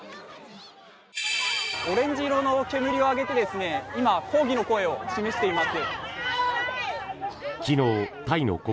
オレンジ色の煙を上げて今、抗議の声を示しています。